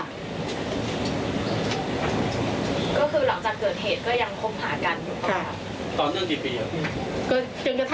แม่ชีค่ะ